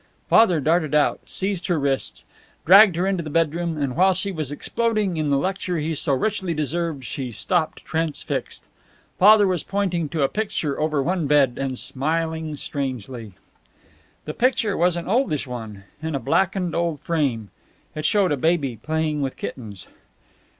Father darted out, seized her wrists, dragged her into the bedroom, and while she was exploding in the lecture he so richly deserved she stopped, transfixed. Father was pointing to a picture over one bed, and smiling strangely. The picture was an oldish one, in a blackened old frame. It showed a baby playing with kittens.